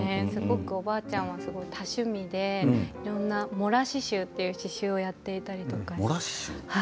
おばあちゃんは多趣味でいろんなモラ刺しゅうという刺しゅうをやっていたり。